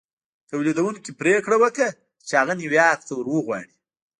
توليدوونکي پرېکړه وکړه چې هغه نيويارک ته ور وغواړي.